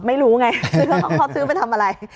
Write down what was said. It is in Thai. ไม่รู้ไงซื้อของเขาซื้อไปทำอะไร